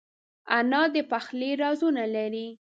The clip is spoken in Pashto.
انا د پخلي رازونه لري